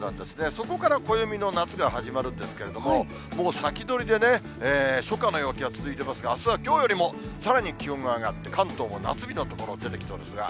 そこから暦の夏が始まるんですけれども、もう先取りでね、初夏の陽気が続いてますが、あすはきょうよりもさらに気温が上がって、関東も夏日の所出てきそうですが。